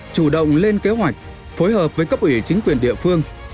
chủ động lên kế hoạch phối hợp với cấp ủy chính quyền địa phương